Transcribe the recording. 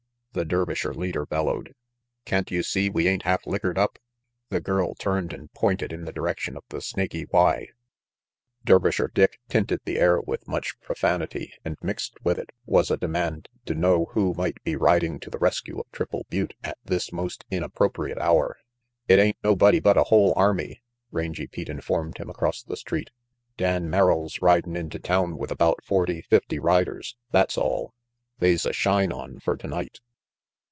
the Dervisher leader bellowed. "Can't you see we ain't half lickered up?" The girl turned and pointed in the direction of the Snaky Y. Dervisher Dick tinted the air with much pro fanity, and mixed with it was a demand to know who might be riding to the rescue of Triple Butte at this most inappropriate hour. "It ain't nobody but a whole army," Rangy Pete informed from across the street. "Dan Merrill's ridin' into town with about forty fifty riders, that's all. They's a shine on fer tonight."